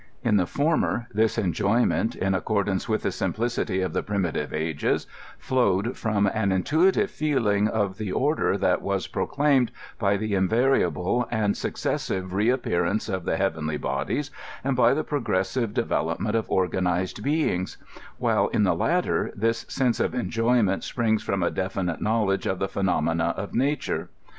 I:ii the former, this enjoyment, in accordance with the simplicity of the primitive ages, flowed from an intuitive feeling of the or der that was proclaimed by the invariable and successive re appearance of the heavenly bodies, and by the progressive de velopment of organized beings ; while in the latter, this sense of enjoyment springs from a definite knowledge of the phe nomena of nature.